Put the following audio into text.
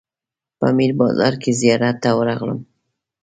په میر بازار کې زیارت ته ورغلم.